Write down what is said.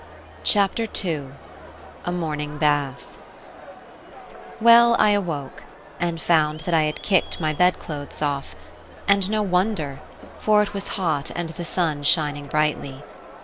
CHAPTER II: A MORNING BATH Well, I awoke, and found that I had kicked my bedclothes off; and no wonder, for it was hot and the sun shining brightly.